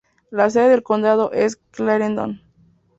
La sede del condado es Clarendon.